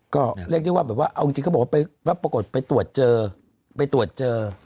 ก็เรียกได้ว่าเอาจริงก็บอกว่ารับปรากฏไปตรวจเจอ